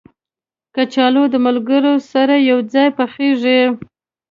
کچالو د ملګرو سره یو ځای پخېږي